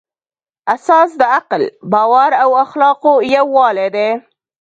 اساس د عقل، باور او اخلاقو یووالی دی.